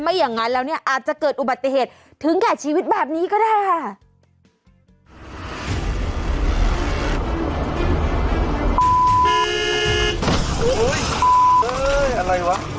อย่างนั้นแล้วเนี่ยอาจจะเกิดอุบัติเหตุถึงแก่ชีวิตแบบนี้ก็ได้ค่ะ